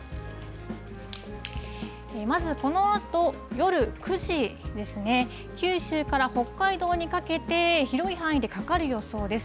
まず、このあと夜９時ですね、九州から北海道にかけて、広い範囲でかかる予想です。